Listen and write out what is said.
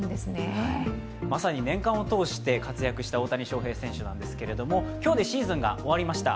まさに年間を通して活躍した大谷翔平選手なんですけど今日でシーズンが終わりました。